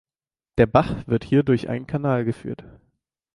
Der Bach wird hier durch einen Kanal geführt.